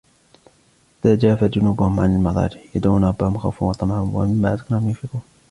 تَتَجَافَى جُنُوبُهُمْ عَنِ الْمَضَاجِعِ يَدْعُونَ رَبَّهُمْ خَوْفًا وَطَمَعًا وَمِمَّا رَزَقْنَاهُمْ يُنْفِقُونَ